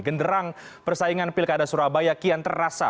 genderang persaingan pilkada surabaya kian terasa